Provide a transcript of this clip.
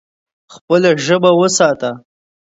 خپله ژبه وساته.